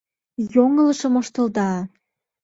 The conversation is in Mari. Йоҥылышым ыштылыда».